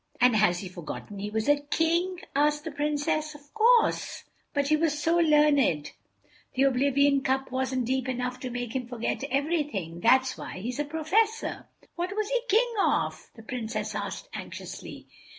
"And has he forgotten he was a King?" asked the Princess. "Of course: but he was so learned the oblivion cup wasn't deep enough to make him forget everything: that's why he's a Professor." "What was he King of?" the Princess asked anxiously.